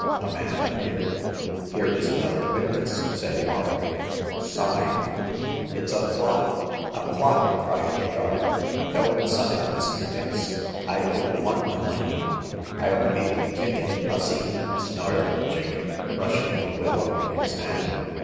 A man appeared. Here is another witness," said Vark. *' Sign !"It's a plot ! a plot !" cried Hagar. '' Don't sign, Mr. Dix. I don't want the money." ril make you take it, hussy !*' snarled Jacob, crushing the will up in his hand.